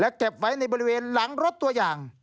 เก็บไว้ในบริเวณหลังรถตัวอย่าง